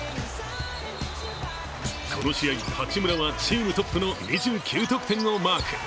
この試合、八村はチームトップの２９得点をマーク。